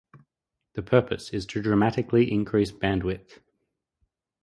The purpose is to dramatically increase bandwidth.